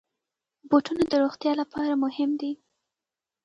بوټونه د روغتیا لپاره مهم دي.